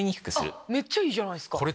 あっめっちゃいいじゃないすか！